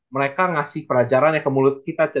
mereka ngasih pelajaran ya ke mulut kita